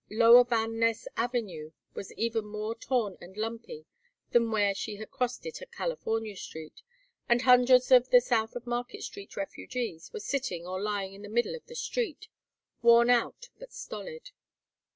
Lower Van Ness Avenue was even more torn and lumpy than where she had crossed it at California Street, and hundreds of the South of Market Street refugees were sitting or lying in the middle of the street, worn out but stolid.